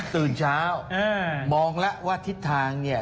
ตื่นเช้ามองแล้วว่าทิศทางเนี่ย